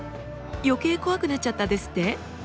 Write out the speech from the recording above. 余計こわくなっちゃったですって？